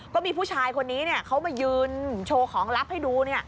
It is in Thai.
ก็มีผู้ชายคนนี้เขามายืนโชว์ของลับให้ดู